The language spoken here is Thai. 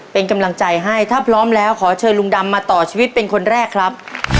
เป็นกำลังใจให้ถ้าพร้อมแล้วขอเชิญลุงดำมาต่อชีวิตเป็นคนแรกครับ